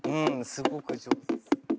すごく上手です。